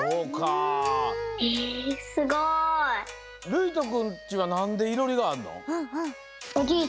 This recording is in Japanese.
るいとくんちはなんでいろりがあんの？